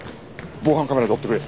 防犯カメラで追ってくれ。